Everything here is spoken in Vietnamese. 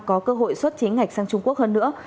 có cơ hội xuất chính ngạch sang trung quốc hơn nữa